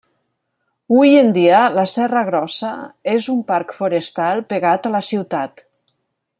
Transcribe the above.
Hui en dia la Serra Grossa és un parc forestal pegat a la ciutat.